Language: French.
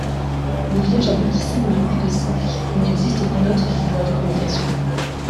Le village aboutissant à un cul-de-sac, il n'existe aucune autre voie de communication.